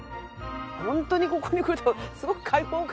ホントにここに来るとすごく開放感が。